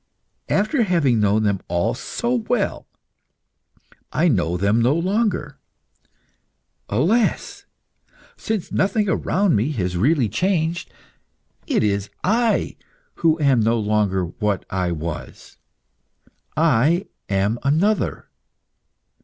After having known them all so well, I know them no longer. Alas! since nothing around me has really changed, it is I who am no longer what I was. I am another.